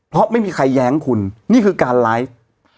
เพราะไม่มีใครแย้งคุณนี่คือการไลฟ์